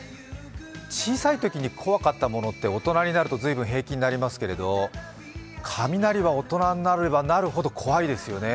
小さいときに怖かったものって大人になると随分平気になりますけれども、雷は大人になればなるほど怖いですよね。